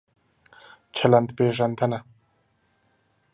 چلند پېژندنه